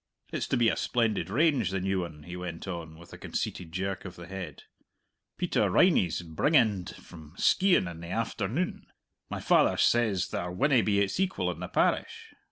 "It's to be a splendid range, the new one," he went on, with a conceited jerk of the head. "Peter Riney's bringin'd from Skeighan in the afternune. My father says there winna be its equal in the parish!"